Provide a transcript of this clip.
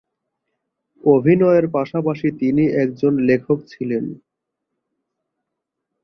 অভিনয়ের পাশাপাশি তিনি একজন লেখক ছিলেন।